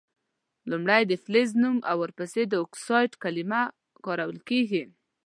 لومړۍ د فلز نوم او ور پسي د اکسایډ کلمه کارول کیږي.